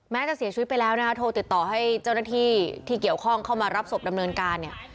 จะเสียชีวิตไปแล้วนะคะโทรติดต่อให้เจ้าหน้าที่ที่เกี่ยวข้องเข้ามารับศพดำเนินการเนี่ย